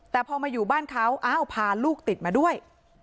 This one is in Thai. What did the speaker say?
แต่พอมาอยู่บ้านเขาอ้าวพาลูกติดมาด้วย